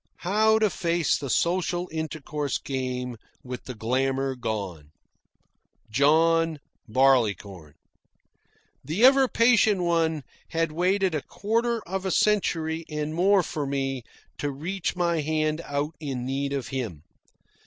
How to face the social intercourse game with the glamour gone? John Barleycorn. The ever patient one had waited a quarter of a century and more for me to reach my hand out in need of him.